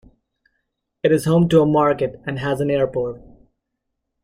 It is home to a market and has an airport.